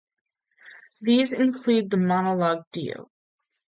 These include the Monologue Dio!